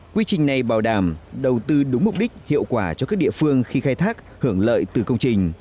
quy trình này bảo đảm đầu tư đúng mục đích hiệu quả cho các địa phương khi khai thác hưởng lợi từ công trình